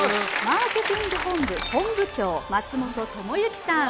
マーケティング本部本部長松本知之さん